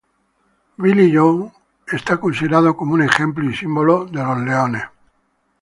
Willie John es considerado como un ejemplo y símbolo de los Lions.